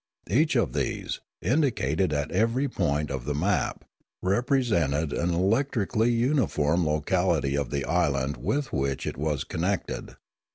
Bach of these, indicated at every point of the map, re presented an electrically uniform locality of the island with which it was connected.